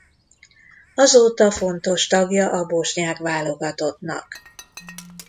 Azóta fontos tagja a bosnyák válogatottnak.